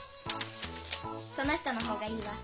その人の方がいいわ。